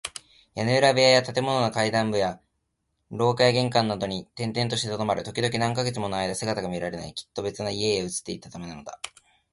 屋根裏部屋や建物の階段部や廊下や玄関などに転々としてとどまる。ときどき、何カ月ものあいだ姿が見られない。きっと別な家々へ移っていったためなのだ。